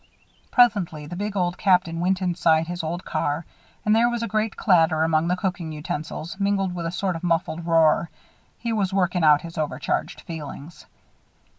Presently the big Old Captain went inside his old car and there was a great clatter among the cooking utensils, mingled with a sort of muffled roar. He was working off his overcharged feelings.